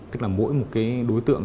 tức là mỗi một cái đối tượng